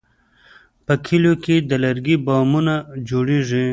په کلیو کې د لرګي بامونه جوړېږي.